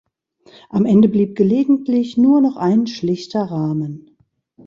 Am Ende blieb gelegentlich nur noch ein schlichter Rahmen.